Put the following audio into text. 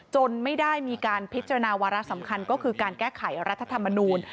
ไม่ได้มีการพิจารณาวาระสำคัญก็คือการแก้ไขรัฐธรรมนูล